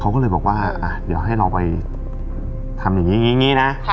เขาก็เลยบอกว่าเดี๋ยวให้เราไปทำอย่างนี้อย่างนี้นะ